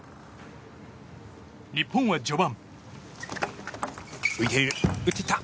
日本は序盤。